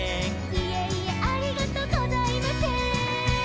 「いえいえありがとうございませーん」